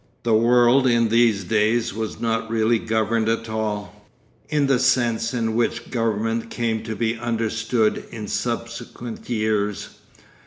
The world in these days was not really governed at all, in the sense in which government came to be understood in subsequent years.